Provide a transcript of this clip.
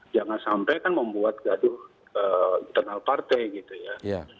jangan sampai kan membuat gaduh internal partai gitu ya